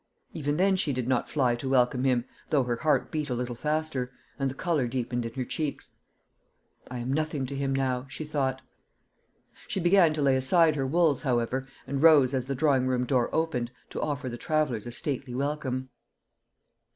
Even then she did not fly to welcome him, though her heart beat a little faster, and the colour deepened in her cheeks. "I am nothing to him now," she thought. She began to lay aside her wools, however, and rose as the drawing room door opened, to offer the travellers a stately welcome.